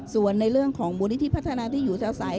ส่วนในเรื่องของมูลนิธิพัฒนาที่อยู่อาศัย